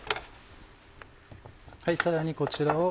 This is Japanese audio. さらにこちらを。